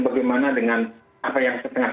bagaimana dengan apa yang setengah